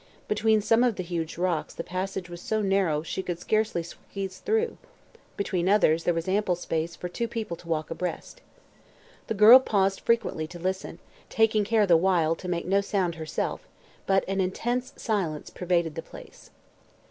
Between some of the huge rocks the passage was so narrow she could scarcely squeeze through; between others there was ample space for two people to walk abreast. The girl paused frequently to listen, taking care the while to make no sound herself, but an intense silence pervaded the place.